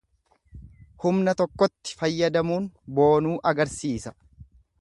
Humna tokkootti fayyadamuun boonuu agarsiisa.